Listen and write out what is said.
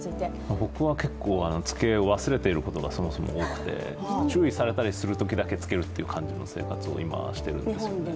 僕は結構、つけ忘れていることがそもそも多くて注意されたりするときだけ着けるという感じの生活をしています。